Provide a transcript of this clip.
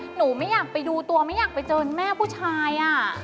หนูไม่อยากไปดูตัวไม่อยากไปเจอแม่ผู้ชาย